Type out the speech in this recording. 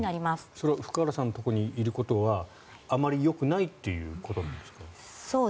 それは福原さんのところにいることはあまりよくないということなんですか？